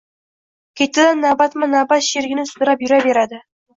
Ketidan navbatma-navbat sherigini sudrab yuraveradi